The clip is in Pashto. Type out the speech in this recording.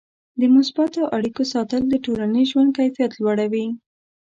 د مثبتو اړیکو ساتل د ټولنیز ژوند کیفیت لوړوي.